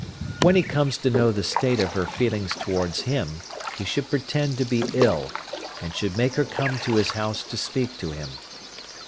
When he comes to know the state of her feelings towards him he should pretend to be ill, and should make her come to his house to speak to him.